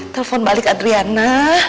telepon balik adriana